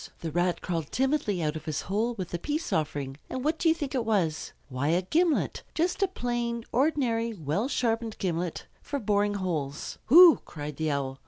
The Rat crawled timidly out of his hole with the peace offering; and what do you think it was? Why, a gimlet! Just a plain, ordinary, well sharpened gimlet for boring holes. "Hoo!" cried the Owl.